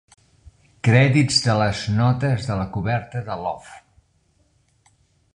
Crèdits de les notes de la coberta de Love.